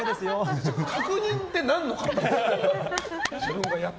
確認って何の確認？